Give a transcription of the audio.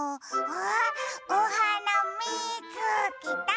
あおはなみつけた！